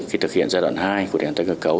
khi thực hiện giai đoạn hai của đền tài cơ cấu